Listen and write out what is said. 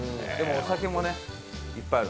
お酒もいっぱいある。